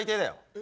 え？